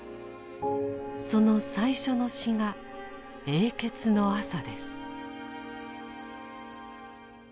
その最初の詩が「永訣の朝」です。